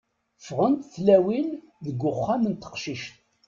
Ffɣent tlawin g uxxam n teqcict.